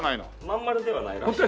真ん丸ではないらしい。